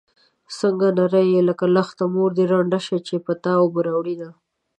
څنګه نرۍ يې لکه لښته مور دې ړنده شه چې په تا اوبه راوړينه